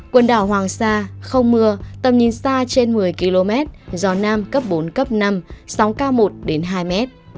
quần đảo hoàng sa không mưa tầm nhìn xa trên một mươi km gió nam cấp bốn cấp năm sóng cao một hai m